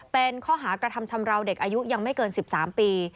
เป็นข้อหากระทำชำราวเด็กอายุยังไม่เกิน๑๓ปี